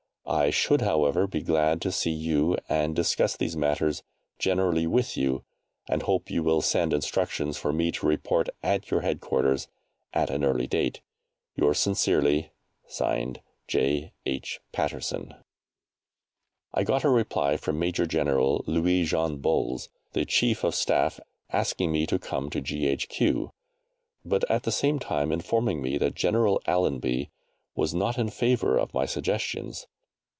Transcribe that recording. I should, however, be very glad to see you, and discuss these matters generally with you, and hope you will send instructions for me to report at your headquarters at an early date. Yours sincerely, (Signed) J. H. PATTERSON. I got a reply from Major General Louis Jean Bols, the Chief of Staff, asking me to come to G.H.Q., but at the same time informing me that General Allenby was not in favour of my suggestions.